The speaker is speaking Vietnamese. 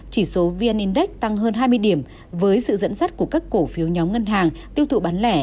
chỉ số vn index tăng hơn hai mươi điểm với sự dẫn dắt của các cổ phiếu nhóm ngân hàng tiêu thụ bán lẻ